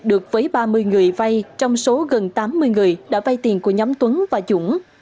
được với ba mươi người vay trong số gần tám mươi người đã vay tiền của nhóm tuấn và dũng